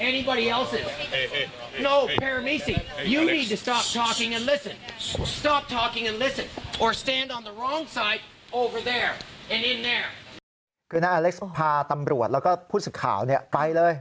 ในนาทีเอเล็กซ์พาตำรวจพูดสิบข่าวไปเลย